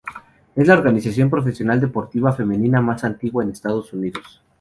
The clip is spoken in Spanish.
Es la organización profesional deportiva femenina más antigua en Estados Unidos.